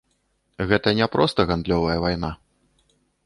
Гэта не проста гандлёвая вайна.